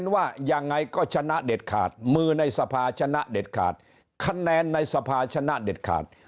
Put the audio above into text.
คะแนนในสภาชนะเด็ดขาด